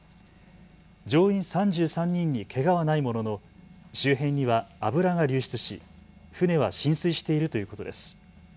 乗員３３人にけがはないものの周辺には油が流出し、船は浸水しているということです。